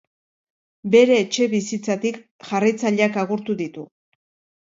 Bere etxebizitzatik jarraitzaileak agurtu ditu.